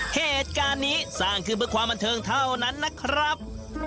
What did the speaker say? เหตุการณ์นี้สร้างขึ้นเพื่อความบันเทิงเท่านั้นนะครับ